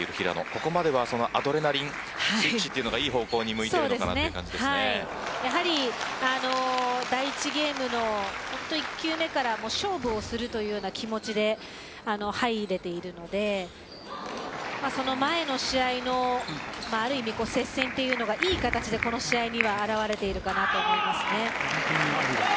ここまではそのアドレナリンがいい方向にやはり、第１ゲームの１球目から勝負をするというような気持ちで入れているのでその前の試合のある意味、接戦というのがいい形でこの試合には表れてるかなと思います。